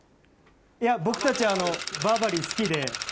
いや僕たちバーバリー好きで。